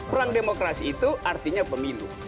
perang demokrasi itu artinya pemilu